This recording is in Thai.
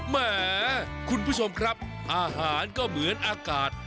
แหมคุณผู้ชมครับอาหารก็เหมือนอากาศ